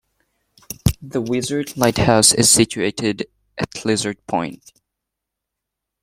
The Lizard Lighthouse is situated at Lizard Point.